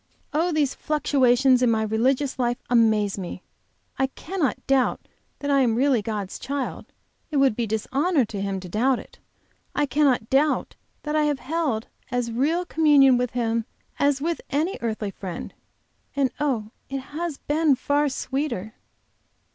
Oh, these fluctuations in my religious life amaze me! I cannot doubt that I am really God's child; it would be dishonor to Him to doubt it. I cannot doubt that I have held as real communion with Him as with any earthly friend and oh, it has been far sweeter!